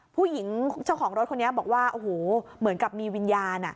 ผู้หญิงเจ้าของรถคนนี้บอกว่าโอ้โหเหมือนกับมีวิญญาณ